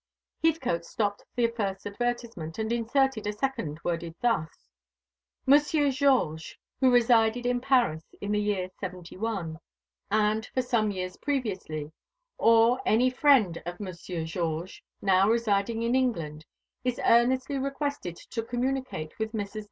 Heathcote stopped the first advertisement, and inserted a second worded thus: "Monsieur Georges, who resided in Paris in the year '71, and for some years previously, or any friend of Monsieur Georges now residing in England, is earnestly requested to communicate with Messrs.